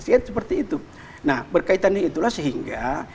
sekir seperti itu nah berkaitan dengan itulah sehingga